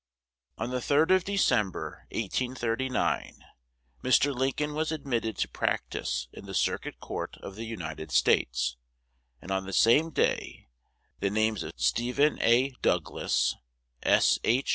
On the 3d of December, 1839, Mr. Lincoln was admitted to practice in the Circuit Court of the United States; and on the same day the names of Stephen A. Douglas, S. H.